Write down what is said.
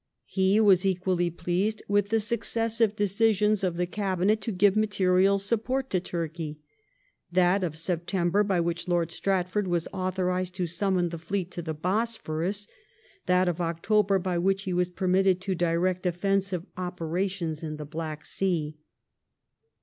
He was equally pleased with the successive decisions of the Cabinet to give material support to Turkey : that of September by which Lord Stratford was authorized to summon the fleet to the Bosphorus, that of October by which he was permitted to direct defensive operations in the Black Sea.